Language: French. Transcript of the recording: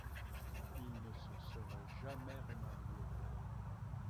Il ne se serait jamais remarié.